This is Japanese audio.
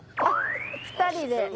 あっ２人で。